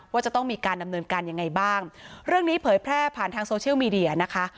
ว่าจะต้องมีการดำเนินการยังไงบ้างเรื่องนี้เผยแพร่ผ่านทางโซเชียลมีเดียนะคะ